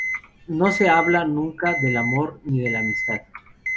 No se habla nunca del amor ni de la amistad.